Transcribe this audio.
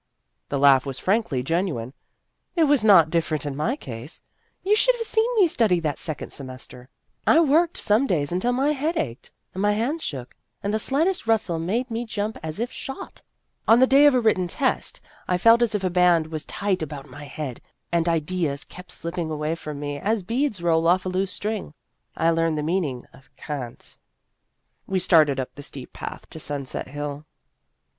The laugh was frankly genuine. "It was not different in my case. You should have seen me study that second semester. I worked some days until my head ached, and my hands shook, and the slightest rustle made me jump as if shot. On the day of a written test, I felt as if a band was tight about my head, and ideas kept slipping away from me as beads roll off a loose string. I learned the meaning of cant" We started up the steep path to Sun set Hill.